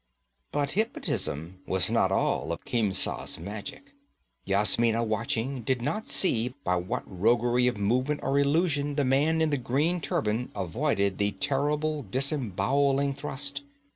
But hypnotism was not all of Khemsa's magic. Yasmina, watching, did not see by what roguery of movement or illusion the man in the green turban avoided the terrible disembowelling thrust.